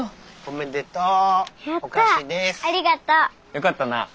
よかったなあ。